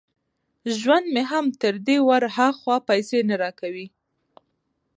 ژوند مې هم تر دې ور هاخوا پيسې نه را کوي.